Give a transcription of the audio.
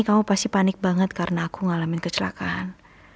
kamu pasti panik banget karena aku ngalamin kecelakaan